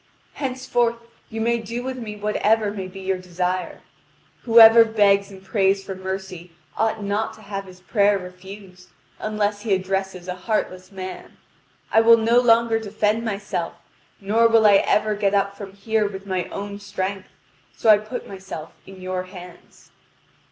Henceforth you may do with me whatever may be your desire. Whoever begs and prays for mercy, ought not to have his prayer refused, unless he addresses a heartless man. I will no longer defend myself, nor will I ever get up from here with my own strength; so I put myself in your hands."